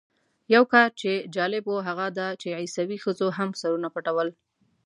یو کار چې جالب و هغه دا چې عیسوي ښځو هم سرونه پټول.